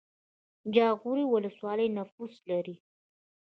جاغوری ولسوالۍ نفوس لري؟